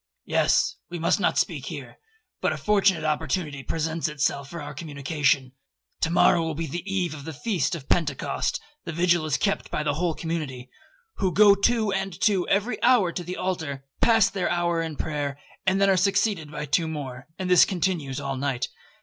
'—'Yes. We must not speak here, but a fortunate opportunity presents itself for our communication. To morrow will be the eve of the feast of Pentecost; the vigil is kept by the whole community, who go two and two every hour to the altar, pass their hour in prayer, and then are succeeded by two more, and this continues all night.